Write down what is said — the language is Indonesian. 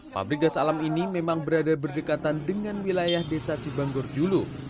pabrik gas alam ini memang berada berdekatan dengan wilayah desa sibanggor julu